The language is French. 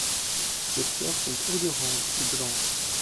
Ses fleurs sont odorantes et blanches.